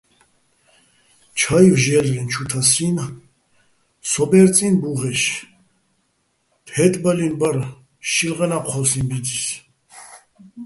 ჩაივ ჟე́ლრეჼ ჩუ თასიჼ, სო ბერწიჼ ბუღეშ, თე́ტბალინო̆ ბარ-ე შილღენა́ ჴოსიჼ ბიძის.